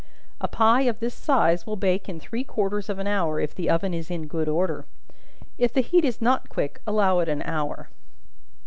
A pie of this size will bake in three quarters of an hour, if the oven is in good order; if the heat is not quick allow it an hour.